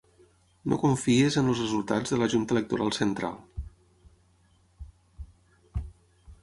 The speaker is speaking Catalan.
No confiïs en els resultats de la junta electoral central.